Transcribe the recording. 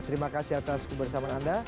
terima kasih atas kebersamaan anda